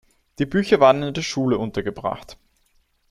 Die Bücher waren in der Schule untergebracht.